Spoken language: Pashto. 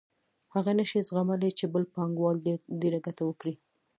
هغه نشي زغملای چې بل پانګوال ډېره ګټه وکړي